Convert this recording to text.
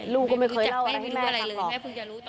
ลูกก็ไม่เคยเล่าอะไรให้แม่หรอก